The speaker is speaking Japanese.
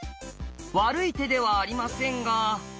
悪い手ではありませんが。